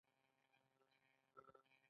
یا هغه څوک چې ملا نه دی کم حق لري.